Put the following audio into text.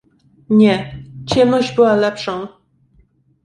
"Nie, ciemność była lepszą."